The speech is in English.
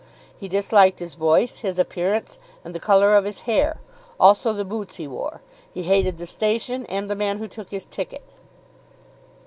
He disliked his voice, his appearance, and the colour of his hair. Also the boots he wore. He hated the station, and the man who took his ticket.